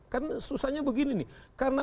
kan susahnya begini nih karena